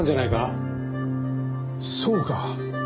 そうか。